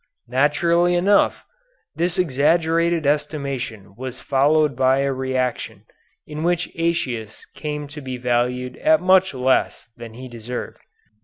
Naturally enough, this exaggerated estimation was followed by a reaction, in which Aëtius came to be valued at much less than he deserved.